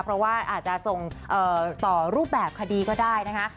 เพราะว่าอาจจะส่งต่อรูปแบบคดีก็ได้นะคะ